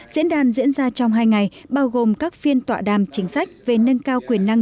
diễn đàn diễn ra trong hai ngày bao gồm các phiên tọa đàm chính sách về nâng cao quyền năng